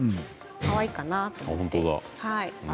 かわいいかなと思います。